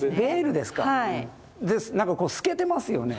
なんかこう透けてますよね。